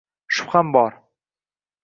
Shubham bor!